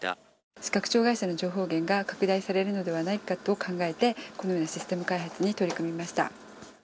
視覚障害者の情報源が拡大されるのではないかと考えてこのようなシステム開発に取り組みました。